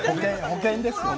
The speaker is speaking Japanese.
保険です